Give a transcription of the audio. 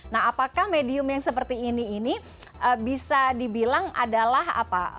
nah apakah medium yang seperti ini bisa dibilang adalah apa